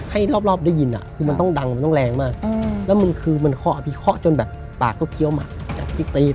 ให้รอบได้ยินอ่ะมันต้องดังมันต้องแรงมากและคือเข้าที่เข้าจนปากเขี้ยวมาก